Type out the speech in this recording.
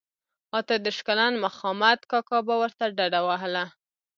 اته دیرش کلن مخامد کاکا به ورته ډډه وهله.